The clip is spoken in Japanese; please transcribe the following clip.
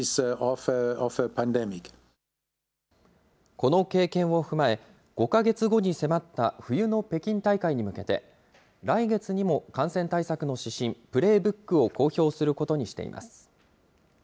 この経験を踏まえ、５か月後に迫った冬の北京大会に向けて、来月にも感染対策の指針、プレーブックを公表することにしています。